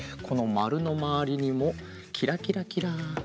このまるのまわりにもキラキラキラ。